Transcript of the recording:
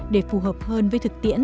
để phù hợp hơn với thực tiễn